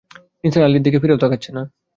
নিসার আলির দিকে ফিরেও তাকাচ্ছে না।